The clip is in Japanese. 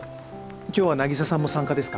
今日は渚さんも参加ですか？